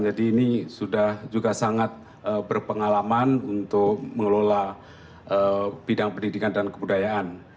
jadi ini sudah juga sangat berpengalaman untuk mengelola bidang pendidikan dan kebudayaan